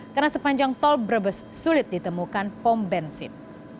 karena sepanjang tol brebes sulit ditemukan pom bensin